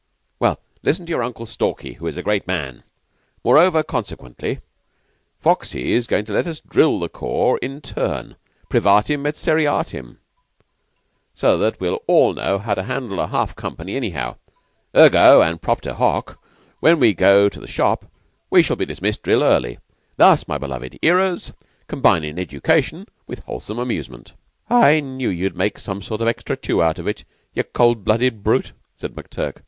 "Well, listen to your Uncle Stalky who is a great man. Moreover and subsequently, Foxy's goin' to let us drill the corps in turn privatim et seriatim so that we'll all know how to handle a half company anyhow. Ergo, an' propter hoc, when we go to the Shop we shall be dismissed drill early; thus, my beloved 'earers, combinin' education with wholesome amusement." "I knew you'd make a sort of extra tu of it, you cold blooded brute," said McTurk.